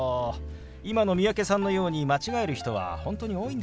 今の三宅さんのように間違える人は本当に多いんですよ。